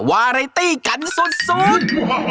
วารัยตี้กันสุด